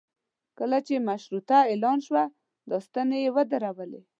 کله چې مشروطه اعلان شوه دا ستنې یې ودرولې.